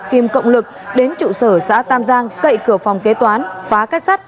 kim cộng lực đến trụ sở xã tam giang cậy cửa phòng kế toán phá cách sát